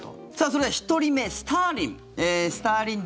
それでは１人目、スターリン。